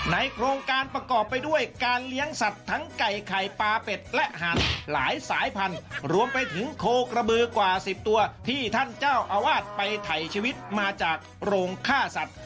โครงการประกอบไปด้วยการเลี้ยงสัตว์ทั้งไก่ไข่ปลาเป็ดและหั่นหลายสายพันธุ์รวมไปถึงโคกระบือกว่า๑๐ตัวที่ท่านเจ้าอาวาสไปถ่ายชีวิตมาจากโรงฆ่าสัตว์